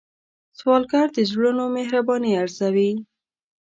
سوالګر د زړونو مهرباني ارزوي